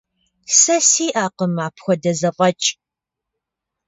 Сэ сиӀэкъым апхуэдэ зэфӀэкӀ.